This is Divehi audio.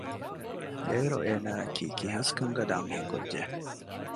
އޭރު އޭނާއަކީ ކިހަސްކަން ގަދަ އަންހެންކުއްޖެއް